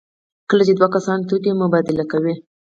کله چې دوه کسان توکي مبادله کوي.